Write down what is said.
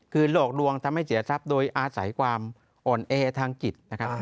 คือหลอกลวงทำให้เสียทรัพย์โดยอาศัยความอ่อนแอทางจิตนะครับ